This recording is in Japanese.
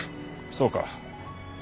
そうか。